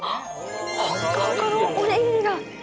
ほっかほかのおにぎりが！